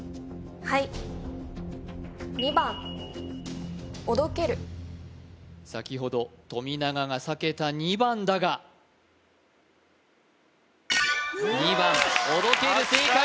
はい２番先ほど富永がさけた２番だが２番おどける正解